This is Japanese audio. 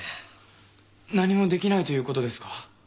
何もできないということですか？